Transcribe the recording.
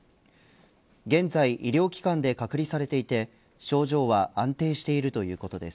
現在、医療機関で隔離されていて症状は安定しているということです。